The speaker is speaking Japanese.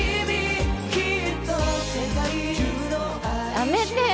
やめてよ！